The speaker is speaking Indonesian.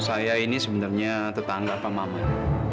saya ini sebenarnya tetangga pak maman